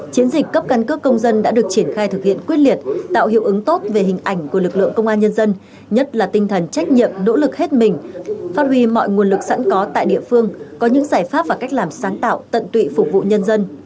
chiến dịch cấp căn cước công dân đã được triển khai thực hiện quyết liệt tạo hiệu ứng tốt về hình ảnh của lực lượng công an nhân dân nhất là tinh thần trách nhiệm nỗ lực hết mình phát huy mọi nguồn lực sẵn có tại địa phương có những giải pháp và cách làm sáng tạo tận tụy phục vụ nhân dân